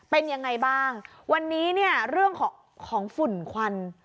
เป็นยังไงบ้างวันนี้เนี่ยเรื่องของฝุ่นควัน